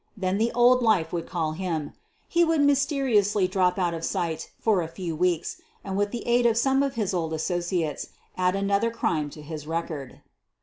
Then the old life would call him — he would mysteri ously drop out of sight for a few weeks, and with the aid of some of his old associates add another crime to his record.